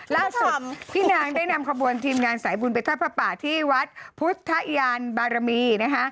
ล่าสุดพี่นางได้นำขบวนทีมงานสายบุญไปทอดพระป่าที่วัดพุทธยานบารมีนะคะ